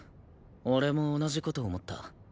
俺も同じ事思った。